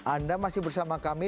anda masih bersama kami